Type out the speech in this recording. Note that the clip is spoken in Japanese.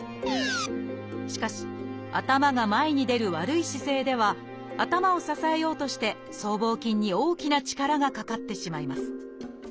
しかし頭が前に出る悪い姿勢では頭を支えようとして僧帽筋に大きな力がかかってしまいます。